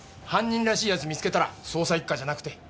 犯人らしい奴見つけたら捜査一課じゃなくて。